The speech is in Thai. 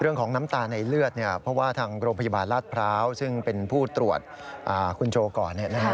น้ำตาในเลือดเพราะว่าทางโรงพยาบาลราชพร้าวซึ่งเป็นผู้ตรวจคุณโจก่อน